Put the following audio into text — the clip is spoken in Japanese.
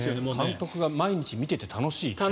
監督が毎日見ていて楽しいって。